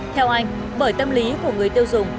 theo anh bởi tâm lý của người tiêu dùng